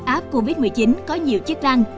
app covid một mươi chín có nhiều chức năng